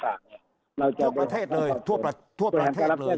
ทั่วประเทศเลยทั่วประเทศเลยใช่ไหมครับ